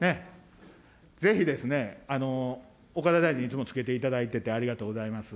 ぜひ、岡田大臣、いつもつけていただいてて、ありがとうございます。